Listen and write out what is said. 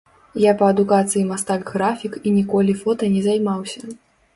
Я па адукацыі мастак-графік і ніколі фота не займаўся.